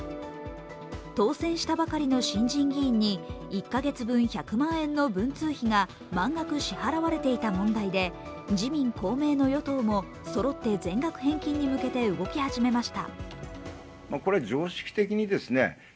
当選したばかりの新人議員に１カ月分１００万円の文通費が満額支払われていた問題で自民・公明の与党もそろって全額返金に向けて動き出しました。